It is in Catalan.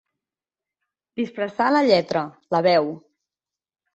Disfressar la lletra, la veu.